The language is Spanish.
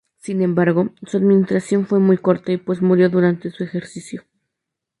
Sin embargo, su administración fue muy corta, pues murió durante su ejercicio.